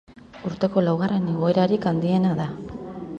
Urteko laugarren igoerarik handiena da.